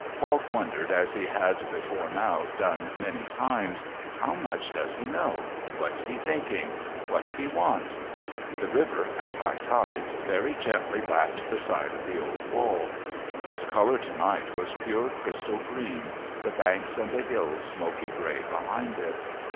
Falk wondered as he had before now done many times, How much does he know? What's he thinking? What's he want?...The river, at high tide, very gently lapped the side of the old wall. Its colour to night was pure crystal green, the banks and the hills smoky grey behind it.